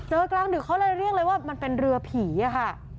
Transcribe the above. กลางดึกเขาเลยเรียกเลยว่ามันเป็นเรือผีอะค่ะ